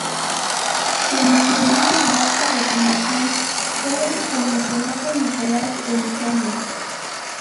Quienes firmaron el Acta de fundación fueron: Comisionado: Nicolas Elizondo.